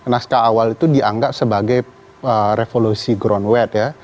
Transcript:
naskah awal itu dianggap sebagai revolusi ground wet